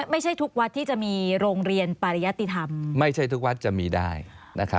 ไม่ใช่ทุกวัดที่จะมีโรงเรียนปริยติธรรมไม่ใช่ทุกวัดจะมีได้